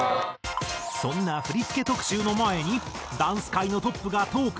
そんな振り付け特集の前にダンス界のトップがトーク初共演。